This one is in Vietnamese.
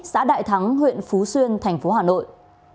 xã đại thắng huyện phú xuyên tp hcm